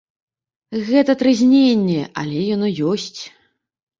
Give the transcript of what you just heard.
Гэта трызненне, але яно ёсць.